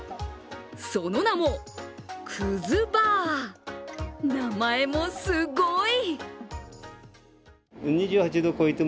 その名も、くずバー、名前もすごい！